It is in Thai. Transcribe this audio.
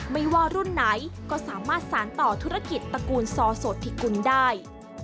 ไม่ว่ารุ่นไหนก็สามารถสารต่อธุรกิจตระกูลซอโสพิกุลได้